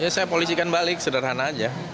saya polisikan balik sederhana saja